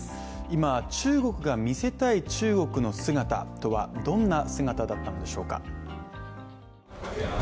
今、中国が見せたい中国の姿とはどんな姿だったんでしょうか。